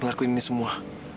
melakukan ini semua